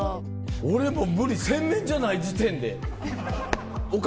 俺もう無理洗面所ない時点で。